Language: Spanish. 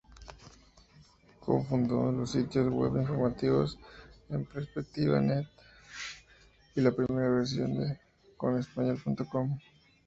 Co-fundó los sitios web informativos enperspectiva.net y la primera versión de cnnenespañol.com.